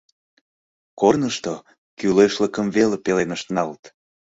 Корнышто кӱлешлыкым веле пеленышт налыт.